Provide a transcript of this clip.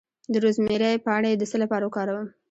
د روزمیری پاڼې د څه لپاره وکاروم؟